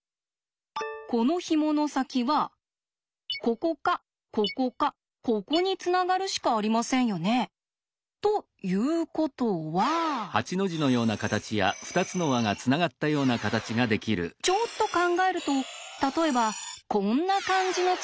このひもの先はここかここかここにつながるしかありませんよね？ということはちょっと考えると例えばこんな感じのつながり方があるってことになります。